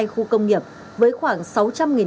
ba mươi hai khu công nghiệp với khoảng